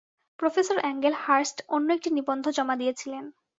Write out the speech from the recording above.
Professor Angel Hurst অন্য একটি নিবন্ধ জমা দিয়েছিলেন।